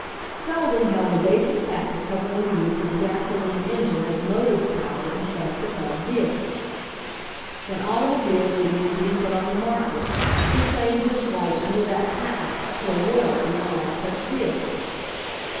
Seldon held a basic patent covering the use of the gasoline engine as motive power in self pro pelled vehicles. When automobiles began to be put on the market, he claimed his right under that patent to a royalty on all such vehicles.